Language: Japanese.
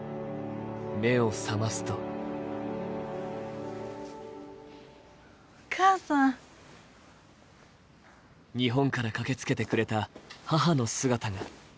目を覚ますとお母さん日本から駆けつけてくれた母の姿が。